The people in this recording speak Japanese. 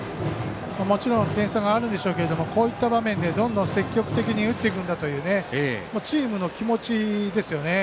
もちろん点差があるんでしょうけどもこういった場面でどんどん積極的に打っていくんだというチームの気持ちですよね。